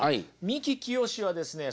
三木清はですね